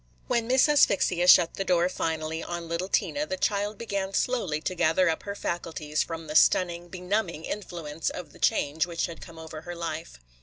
WHEN Miss Asphyxia shut the door finally on little Tina the child began slowly to gather up her faculties from the stunning, benumbing influence of the change which had come over her life.